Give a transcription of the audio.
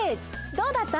どうだった？